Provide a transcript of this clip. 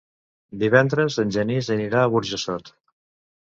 Divendres en Genís anirà a Burjassot.